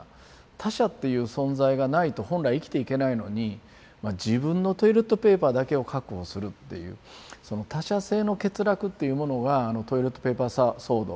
他者っていう存在がないと本来生きていけないのに自分のトイレットペーパーだけを確保するっていうその他者性の欠落っていうものがあのトイレットペーパー騒動。